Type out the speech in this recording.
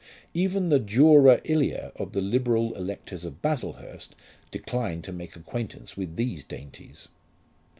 Even the dura ilia of the liberal electors of Baslehurst declined to make acquaintance with these dainties.